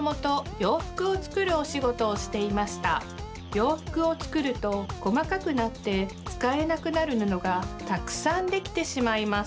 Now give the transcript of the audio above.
ようふくをつくるとこまかくなってつかえなくなる布がたくさんできてしまいます。